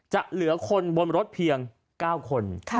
จะเหลือคนบนรถเพียง๙คน